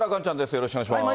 よろしくお願いします。